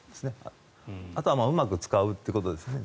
あとはうまく使うということですね。